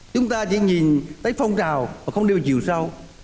chúng ta chỉ nhìn tới phong trào mà không đưa vào chiều sau